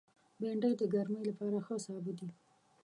بېنډۍ د ګرمۍ لپاره ښه سابه دی